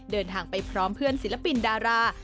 เดินทางไปพร้อมเพื่อนศิลปินดารา